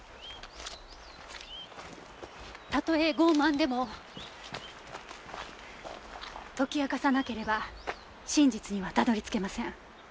たとえ傲慢でも解き明かさなければ真実にはたどり着けません。